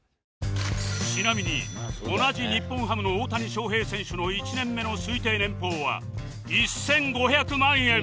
ちなみに同じ日本ハムの大谷翔平選手の１年目の推定年俸は１５００万円